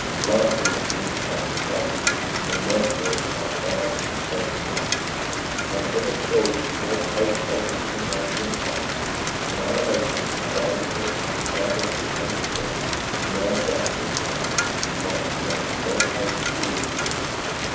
Lastly were seen the packs of baggage, and mercenaries by thousands and tens of thousands. On the Hill of Saul the great host halted and began to encamp. An hour later a band of horsemen five or six hundred strong emerged out of this camp and marched along the straight road to Jerusalem.